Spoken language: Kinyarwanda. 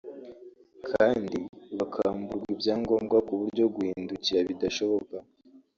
kandi bakamburwa ibyangombwa ku buryo guhindukira bidashoboka